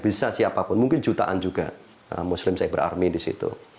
bisa siapapun mungkin jutaan juga muslim cyber army di situ